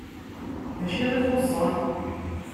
D acu i ɣ-ixuṣṣen?